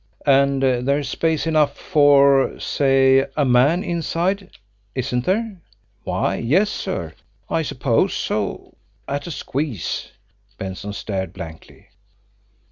"And there's space enough for, say, a man inside, isn't there?" "Why, yes, sir; I suppose so at a squeeze" Benson stared blankly.